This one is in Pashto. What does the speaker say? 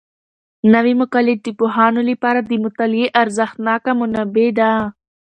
نوي مقالې د پوهانو لپاره د مطالعې ارزښتناکه منبع ده.